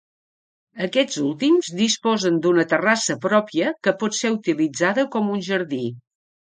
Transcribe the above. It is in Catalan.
Aquests últims disposen d'una terrassa pròpia que pot ser utilitzada com un jardí.